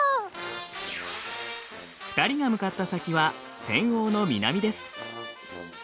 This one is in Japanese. ２人が向かった先は扇央の南です。